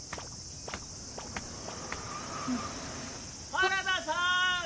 原田さん。